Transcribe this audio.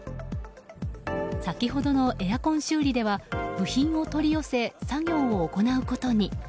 先ほどのエアコン修理では部品を取り寄せ作業を行うことに。